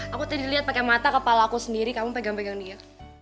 aku tadi dilihat pakai mata kepala aku sendiri kamu pegang pegang dia